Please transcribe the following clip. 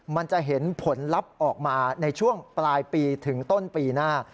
มันจะเห็นผลลัพธ์ออกมาในช่วงปลายปีถึงต้นปีหน้า